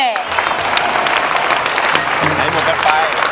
ใช้หมดกันไป